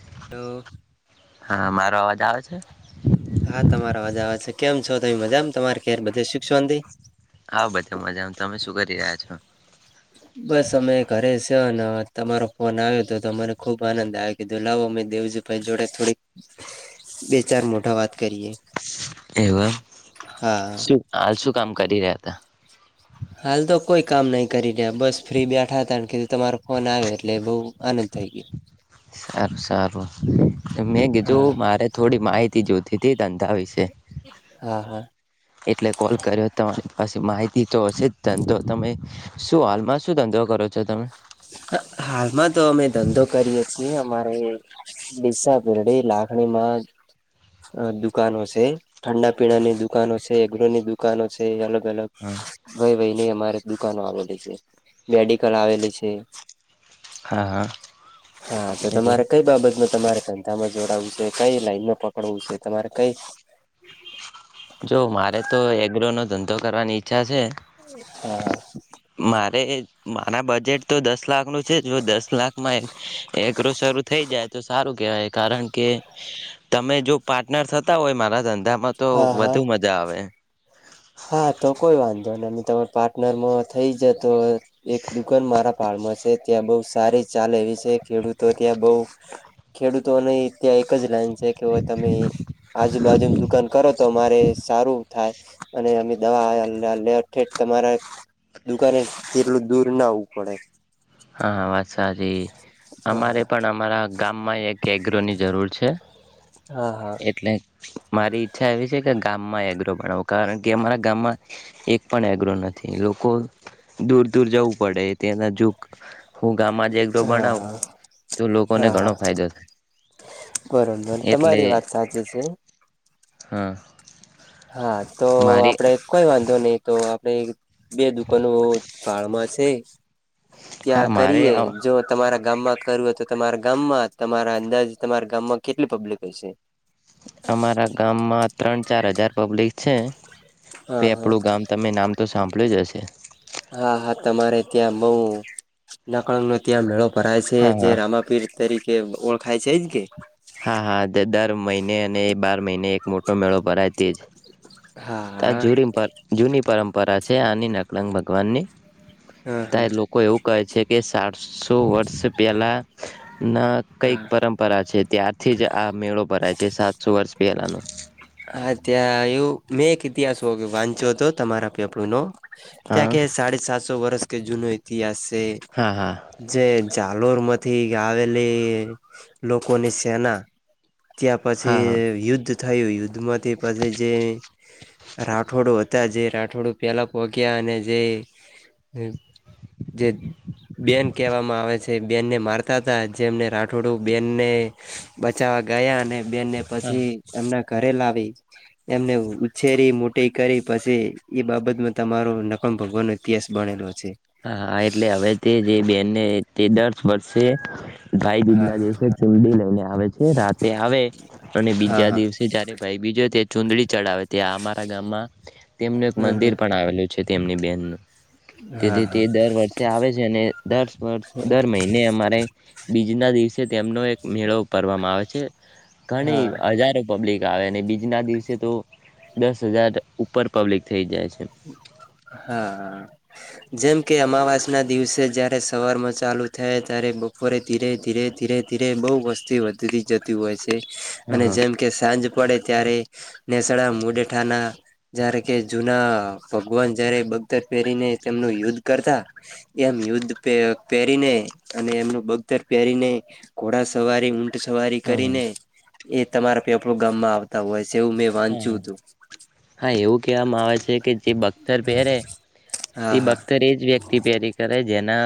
[unintelligible] હા મારો અવાજ આવે છે હા તમારા મજા આવે છે કેમ છો ત મજામ તમારે ખેર બધે શું હા બધા મજામાં તમે શું કરી રહ્યા છો બસ અમે કરે છે તો તમારો ફોન આવ્યો હતો તો મને ખુબ આનંદ આવે કીધો લાવો મે દેવજીભાઈ જોડે થોડીક બે ચાર મોટા વાત કરીએ એવું એમ હા શું હાલ શું કામ કરી રહ્યા હતા હાલ તો કોઈ કામ નહી કરી રહ્યા બસ ફ્રી બેઠા હતા કાર કે તમારો ફોન આવ્યો એટલે બઉુ આનંદ થઈ ગયો સારો સારો મેં હા કીધું મારે થોડી માહિતી જ્યોતિથી ધંધા વિશે હા હા. એટલે કોલ કર્યો તમારી પાસે માહિતી તો હશે જ ધંધો તમે શું હાલમાં શું ધંધો કરો છો તમે. હાલમાં તો અમે ધંધો કરીએ છીએ અમારે ડીસા પરડી લાખણીમાં દુકાનો છે ઠંડા પીણાની દુકાનો છે એગરોની દુકાનો છે અલગ. લગ ભાઈ ભાઈ. ની અમારે દુકાનો આવેલી છે મેડિકલ આવેલી છે. તે [unintelligible] હા હા હા તો એવું. તમારે કઈ બાબત ન. તમારે ધંધામાં જોડાવું છે કઈ લાઈનમાં પકડવું છે તમારે કઈ. જો મારે તો એગ્રો નો ધંધો કરવાની ઈચ્છા છે. હા. મારે મારા બજેટ તો દસ લાખ નું છે જો દસ લાખમાં એકરો શરૂ થઈ જાય તો સારું કેવાય. કારણ કે તમે જો પાર્ટનર થતા હોય મારા ધંધામાં તો. હા હા તું મજા આવે. જોને અમે તમાર પાર્ટનરમાં થઈ જ તો. એક દુકાન મારા. ફારમર છે ત્યાં બહુ સારી ચાલે એવી છે ખેડૂતો ત્યાં બહુ ખેડૂતોને. ત્યાં એક જ લાઈન છે કે તમે આજુબાજુ દુકાન કરો તો અમારે સારું થાય. અને અમે દવા લ ઠે તમારા દુકાને જેટલું દૂર ના આવવું પડે. હા. સાચી અમારે પણ અમારા ગામમાં એક એગ્રોની જરૂર છે. હા હા એટલે મારી ઈચ્છા એવી છે કે ગામમાં એગ્રો બનાો કારણ કે અમારા ગામમાં એક પણ એગ્રો નથી લોકો દૂર દૂર જવું પડે ત્યાના જો હું ગામમાં જ એકડો હા બનાવું હા તો લોકોને હા ઘણો હા ફાયદો થાય બરોબર એટલે તમારી વાત સાચી છે હા. હા તો મારી આપડે કોઈ વાંધો નહી. તો આપડે બે દુકાનો ભાળમાં છે. હા ત્યાં મારે કરીએ જો તમારા ગામમાં કરું હોય તો તમારા ગામમાં તમારા અંદાજ તમારા ગામમાં કેટલી પબ્લિક હશે? અમારા ગામમાં ત્રણ ચાર હજાર પબ્લિક છે બે હા હા આપણું ગામ તમે નામ તો સાંભળ્યું જ હશે? હા હા તમારે ત્યાં બઉ નકંગ નો ત્યાં મેળો ભરાય છે હા જે હા રામાપીર તરીકે ઓળખાય છે જ. [unintelligible] હા હા દ- દર મહિને અને બાર મહિને એક મોટો મેળો ભરાય તેજ. હા આ હા જૂની જૂની પરંપરા છે આની ન વલંગ ભગવાનની. હા હા ત્યારે લોકો એવું કહે છે. કે સાતસો વર્ષ પહેલાં ના કઈક હા પરંપરા છે. થી જ આ મેળો ભરાય છે સાતસો વર્ષ પહેલાનો. હા ત્યાં એવું મેં ઇતિહાસ વાંચ્યો હતો તમારા પેપડું નો. ત્યાં હા કે સાડી સાતસો સો વર્ષ કે જૂનો ઇતિહાસ તે હા હા જે ચાલોર માંથી આવેલી લોકોની સેના. ત્યાં હા પછી યુદ્ધ. થયું યુદ્ધ [unintelligible] જે રાઠોડું હતા જે રાઠોડું પેલા પોગ્યા અને જે બેન કહેવામાં આવે છે બેનને મારતા હતા જેમને રાઠોડું બેનને બચાવવા ગયા અને બેન ને હા પછી એમના ઘરે લાવી એમને ઉછેરી મોટી કરી પછી એ બાબતમાં તમારો નખમ ભગવાન નો ઇતિહાસ બણેલો હતો. હા, હા, એટલે હવે તે જે બેનને. તે દસ વર્ષે ભાઈ બીજ હા ના દિવસે ચુંડી લઈને આવે છે, રાતે આવે, અને બીજા હા દિવસે જયારે ભાઈ બીજો ચુંદંદડી ચઢાવ છે. ત્યાં અમારા ગામમાં, તેમનું એક હમ મંદિર હમ પણ આવેલું. છે તેમની બેહેનનું તેથી હા તે દર વર્ષે આવે છે, અને દર વર્ષ દર મહિને અમારે બીજ ના દિવસે, તેમનો એક મેળો ભરવામાં આવે છે. ઘણી હા હજારો પબ્લિક આવે, અને બીજના દિવસે તો દસ હજાર ઉપર પબ્લિક થઈ જાય છે. હા. જેમ કે અમાવાસના દિવસે, જ્યારે સવારમાં ચાલુ થાય, ત્યારે બપોરે ધીરે ધીરે, ધીરે ધીરે, બહુ વસ્તી વધતી જતી હોય છે. હા અને હા જેમ કે સાંજ. પડે, ત્યારે હેસણા મુડેઠા ના જારે કે જુના ભગવાન જયારે બગદર પહેરીને, તેમનું યુદ્ધ કરતા, એમ યુદ્ધ પહેરીને અને એમનું બગદર પહેરીને, ઘોડા સવારી સવારી હા કરીને એ તમારા પેપડું ગામમાં આવતા હોય છે. એવું મેં વાંચ્યું હતું. મા આવે છે કે જે બખ્તર પહેરે તે હા હા બખ્તર એ જ વ્યક્તિ પહેરી કરે જેના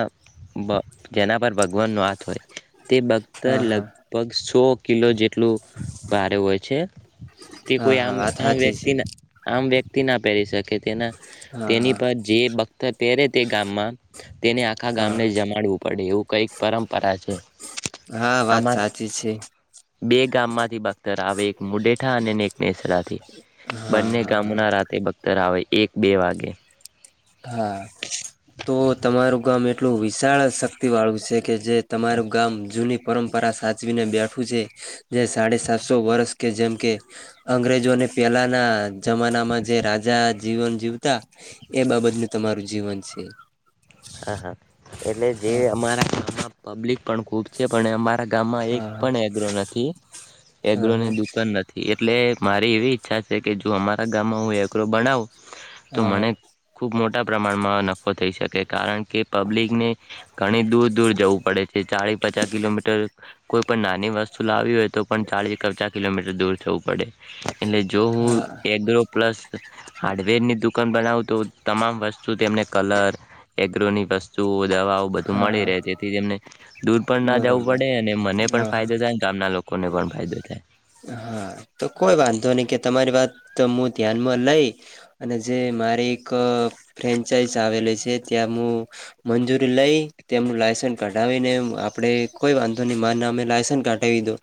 ભ જેના પર ભગવાનનો હાથ હોય તે બગતર હા હા લગભગ સો કિલો જેટલું ભારે હોય છે. તે કોઈ હા હા આમ વાત સાચી વ્યક્તિના આ વ્યક્તિ ના પહેરી શકે કે તેના છે હા તેની હા પર જે બખ્તર પહેરે તે ગામમાં તેને આખા હા ગામને જમાડવું પડે એવું કઈક પરંપરા છે, હા વાત આ સાચી છે બે ગામમાંથી બખ્તર આવે એક મુઢેઠા અને સલાહથી હા બંને હા હા ગામોના રાતે ભખતર કરાવે એક બે વાગે હા તો તમારું ગામ એટલું વિશાળ શક્તિ વાળું છે. કે જે તમારું ગામ જૂની પરંપરા સાચવીને બેઠું છે જે સાડ સાતસો વર્ષ કે જેમ કે અંગ્રેજોને પેલાના જમાનામાં જે રાજા જીવન જીવતા એ બાબતને તમારું જીવન છે. હા હા એટલે જે હા અમારા ગામમાં પબ્લિક પણ ખુબ છે, પણ અમારા ગામમાં એક હા પણ એગ્રો નથી એગ્રો હા ને હા દુકાન નથી એટલે મારી એવી ઈચ્છા છે કે જો અમારા ગામમાં હું એગરો બનાવુ તો હા મને ખુબ મોટા પ્રમાણમાં નફો થઈ શકે કારણ કે પબ્લિકને ઘણી દૂર દૂર જવું પડે છે ચાળી પચાસ કિલોમીટર કોઈ પણ નાની વસ્તુ લાવી હોય. તો પણ ચાલીસ કબચા કિલોમીટર દૂર થવું પડે એટલે જો હું હા હા એગ્રો પ્લસ હાર્ડવેરની દુ કાન બનાવું તો તમામ વસ્તુ તેમને કલર એગ્રોની વસ્તુ જો દવાઓ બધું હા મળી હા રહે તેથી તેમને દૂર પણ ના જવું બરોબર પડે અને મને પણ હા ફાયદો થાય ગામના લોકો હા તો કોઈ વાંધો નહી કે તમારી વાત તો મુ ધ્યાનમાં લઈ અને જે મારી એક ફ્રેન્ચાઈઝ આવેલી છે ત્યાં મુ મંજૂરી લઈ તેમનું લાયસન્ કઢાવીને આપડે કોઈ વાંધો નહી મારા નામે લાયસન્ કાઢાવી દો.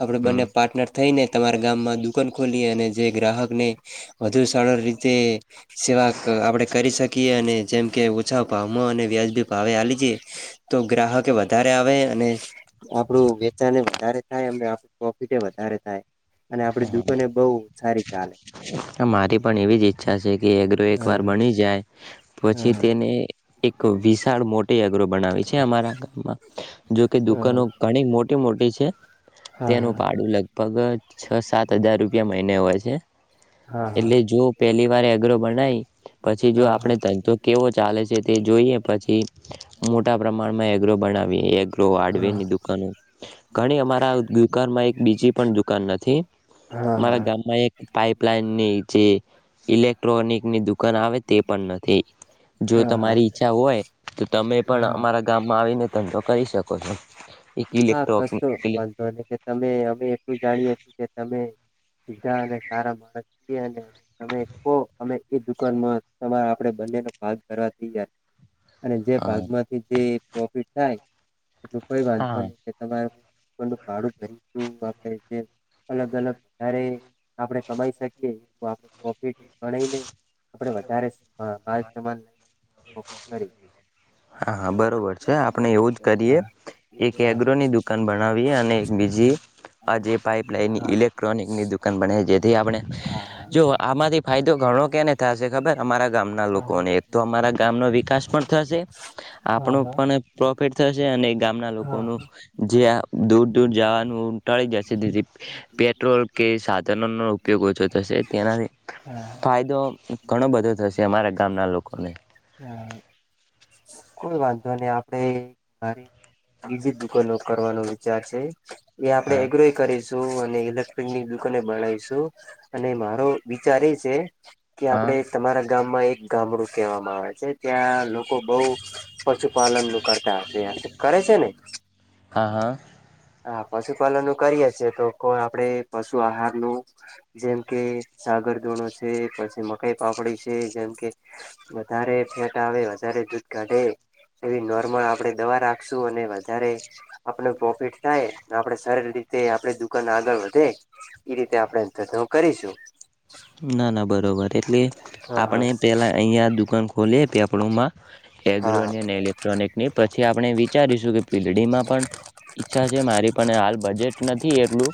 આપડે બંને હમ. પાર્ટનર થઈને તમારા ગામમાં દુકાન ખોલીએ અને જે ગ્રાહકને વધુ સારળ રીતે સેવા આપણે કરી શકીએ અને જેમ કે ઓછા ભાવમાં અને વ્યાજબી ભાવે આવી જઈએ તો ગ્રાહકે વધારે આવે પ્રોફિટે વધારે થાય. અને આપડી દુકાને બહુ સારી ચાલે મારી પણ એવી જ ઈચ્છા છે. કે એગ્રો એક વાર હા બની જાય. પછી હા તેને એક વિશાળ મોટે. બર બનાવી. અમારા ગામાં જોકે દુકાનો ઘણી મોટી મોટી છે. ઓકે. તેનું હા ભાડું લગભગ સાત હજાર રૂપિયા મહિને હોય છે. હા હા હા એટલે જો પેલી. વારે અઘરો બણાય. પછી જો હા હા આપણે ધંધો કેવો ચાલે છે તે જોઈએ પછી મોટા પ્રમાણમાં ર બનાવી એક હડવેરની દુકાનો ઘણી અમારા દુકાનમાં એક બીજી પણ દુકાન નથી હા હા હા અમારા ગામમાં એક પાઇપ લાઈન ની છે. ઇલેક્ટ્રોનિકની દુકાન આવે તે પણ નથી જો હા હા હા તમારી ઈચ્છા હોય તો તમે પણ હા અમારા ગામમાં આવીને ધંધો કરી શકો. કોઈ. હા કશો વાંધો ને કે તમે અમે એટલું જાણીએ છ કે તમે. સધ અનેને સારા મા. તમે કો અમે એ દુકાનમાં તમારા આપે બંનેનો ભાગ ભરથી યાર. અને જે ભાગ હા માંથી જે. પ્રોફિટ થાય. એટલું કોઈ વાંધ. હા ાડું ભરી આપ જે અલગ અલગ વધારે. આપડણે કમાઈ શકીએ. ફિટ ગણને આપડે વધારે સમાન. હા હા બરોબર છે આપણે એવું જ કરીએ. હા એક હા એગ્રોની દુકાન બનાવીએ અને એક બીજી આ જે પાઇપલાઈન ઇલેક્ટ્રોનિકની દુકાન બનાવી જેથી આપણે જો આમાંથી ફાયદો ઘણો કોને થશે ખબર અમારા ગામના લોકોને તો અમારા. ગામ નો વિકાસ પણ થશે આપણો પણ પ્રોફિટ થશે અને ગામના લોકો. જે દૂર દૂર જવાનું ટાળી જશેથી પેટ્રોલ કે સાધનો નો ઉપયોગ ઓછો થશે તેનાથી હા ફાયદો ઘણો બધો થશે અમારા ગામના લોકોને. હ કોઈ વાંધો ન આપડે મારી વિવિધ દુકાનો કરવાનો વિચાર છે એ આપડણે હા એગ્રોય કરીશ અને ઇલેક્ટ્રોનિકની દુકાન બનાવીશું અને મારો વિચાર એ છે કે હા આપડે તમારા ગામમાં એક ગામડું કહેવામાં આવે છે ત્યાં લોકો બહુ પશુપાલન નું કરતા હશે કરે છે ને. [inaudible] હા પશુપાલન ન કરીએ છેએ તો કોઈ આપડ પશુ આહાર નું જેમ કે સાગર દુણું છે પછી મકાઈ પાપડી છે જેમ કે વધારે ફેટ આવે વધારે દૂધ કાઢે એવી નોર્મલ આપણે દવા રાખશું અને જારે આપણે પ્રોફિટ થાય આપડ સરારી રીતે આપણી દુકાનને આગળ વધે એ રીતે આપણે ધંધો કરીશું. ના ના બરો બરોબર. એટલે હા આપણે પેલા અહીિયાયા દુકાન ખોલીએ પ આપ હા પૂડમાં એ ઇલેક્ટ્રોનિક પછી આપણે વિચારીશું કે પીડીમાં પણ ઈચ્છા છે મારી પણ બજેટ નથી એટલું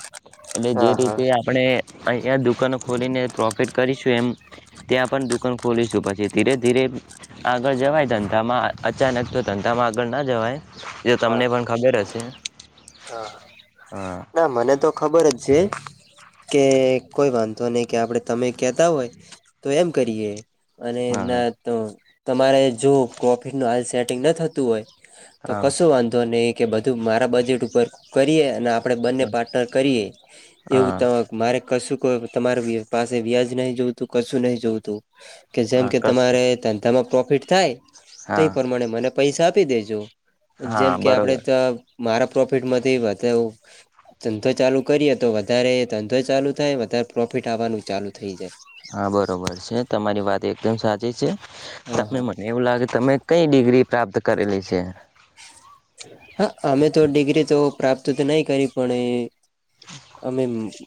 એટલે જે હા રીતે આપણે અહીંયા દુકાનો ખોલીને પ્રોફિટ કરીશું એમ ત્યાં પણ દુકાન ખોલીશું. પછી ધીરે-ધીરે આગળ જવાય ધંધામાં અચાનક તો ધંધામાં આગળ ના જવાય એ હા તમને પણ ખબર હશે. હા હા ના મને તો ખબર જ છે કે કોઈ વાંધો નઈ કે આપડે તમે કેતા હોય તો એમ કરીએ. અને હા ના તો તમારે જો પ્રોફિટનું હાલ સેટિંગ ન થતું હોય તો હા કશું વાંધો ની કે બધું મારા બજેટ ઉપ પર કરીએ અને આપ આપડે બંને પાર્ટનર કરીએ એવું હા હા તમ મારે કશું ક તમાર પાસે વ્યાજ નઈ જોતું. કશું નઈ જોતું. કે જેમ હા કે કશ તમારે ધંધામાં પ્રો ફીટ થાય તે હા પ્રમાણે મને પૈસા પી દેજો. હા જેમ કે આપડે બરોબર ત મારા પ પ્રોફિટમાંથી વધેવુ. ધંધો ચાલુ કરીયે તો વધારે ધંધો ચાલુ થાય. વધાર પ્રોફિટ આવનુ ચાલુ થઈ જાય. હા બરોબર છે. તમારી વાત એકદમ સા જે છે. હા તમે હા મને એવું લાગે તમે કઈ ડિગ્રી પ્રાપ્ત કરેલી છે હા, હઅ અમે તો ડિગ્રી તો પ્રાપ્ત તો નઈ કરી. પણ એ અમે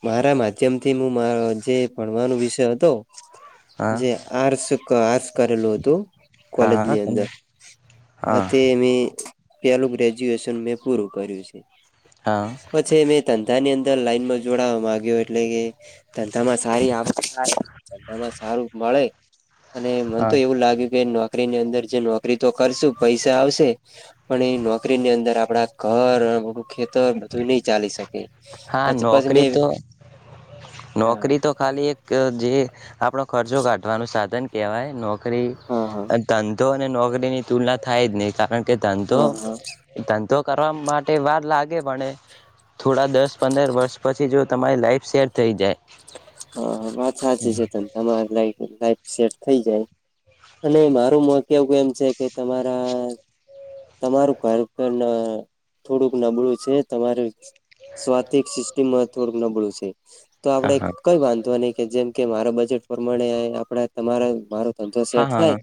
મારા માધ્યમથી મુ મ જે ભણવાનો વિષય હતો હા જે આર સૂ કાશ કરેલું હતું. હા હા કોલેજની તમે અંદર અ હા તે મે પેલું ગ્રેજ્યુએશન મેં પૂરું કર્યું છે. હા પછી મેં તન બધાની અંદર લાઈનમાં જોડાવા માગ્યો એટલે કે ધંધામાં સારી આવક થાય. ધંધામાં સારું મળે અને મ તો હા એવું લાગ્યું કે કરીની અંદર જે નોકરી તો કરશું. તો પૈસા આવશે પણ એ નોકરી ની અંદર આપ એકજશ કરી શકી સ, આ ઘર અને ખેતર આ બધું નઈ ચલાવી શકાય, હા નોકરી તો હા નોકરી તો ખાલી એક જે આપ ખર્ચો કાઢવાનો સ સાધન કહેવાય નો કે રે હા આ ધંધો હ એ નોકરીની તુલના થાય જ નહી કારણ એ ધંધો, હા હા ધંધો કે કરવા માટે વાર લાગે પણ થોડા દસ પંદર વર્ષ પછી જો તમાર શેર થઈ જાય હ હ વાત સાચી છે તમારી સેટ થઈ જાય અને મારું મત કેવું એમ છે કે તમારા તમારું બાળપણ ના થોડુંક નબળું છે તમારે સ્વાથિક સિસ્ટમમાં થોડુંક નબળું છે. તો આપડે હા હા કઈ વાંધું અને. જેમ કે મારા બજેટ પ્રમાણે આપ તમારા મા. ધંધો હા સેટ હા થાય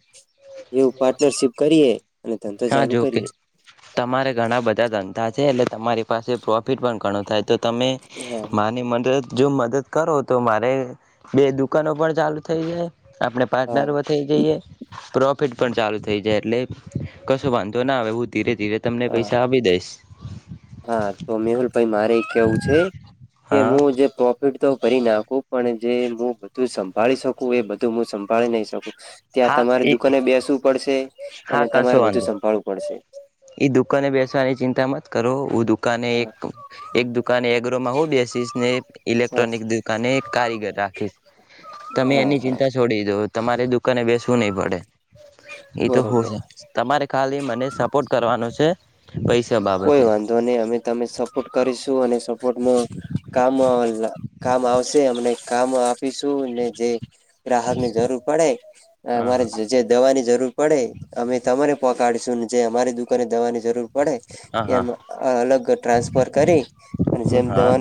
એવું પાર્ટનરશીપ કરીએ. અને તંત્ર હા ચાલુ. કરીએ તમારે ઘણા બધા ધંધા છે એટલે. તમારી પાસે પ્રોફિટ પણ ઘણું થાય તો તમે હા માની મદદ. જો મદદ કરો તો મારે બે દુકાનો પણ ચાલુ થઈ જાય. આપડણે હા પાર્ટનર વધ થઈ જઈએ. પ્રોફિટ પણ ચાલુ થઈ જાય એટલે. કશું વાંધો ના આવે હું ધીરે. ધીરે તમને હા પૈસા આપી દઈશ. હા તો મેહુલ ભાઈ મારે કેવું છે કે હા હું જે. ીડ તો ભરી નાખું પણ જે હું બધું સંભાળી શકું એ બધું હું સંભાળી નહીં શકું. ત્યાં હા તમારે એ દુકાને બેસવું પડશે. અને હા તો આ તમારે સવાલ બધું સંભાળવું પડશે. ઈ દુકાને બેસવાની ચિંતા મત કરો. દુકાને એક એક દુકાને એગ્રોમાં હું બેસીશ ને હા ઇલેક્ટ્રોનિક દુકાને એક કારીગર રાખીશ તમે હા એની હા ચિંતા છોડી દો તમારે દુકાને બેસવું નહી પડે. એ તો હો બરોબર. છે તમારે ખાલી મને સપોર્ટ કરવાનો છે પૈસા બાબતે. ધોને અમે તમે સપોર્ટ કરીશું અને સપોર્ટમાં કામ કામ આવશે અમને કામ આપીશું અને જે. ગ્રાહક ની જરૂર પડે હા અમારે જે દવાની જરૂર પડે અમે તમારે. પકડશું ને જે અમારી દુકાનેવાની. જરૂર પડે હા હા એમાં. અલગ ટ્રાન્સફર કરી અને જેમ હા દવાનું.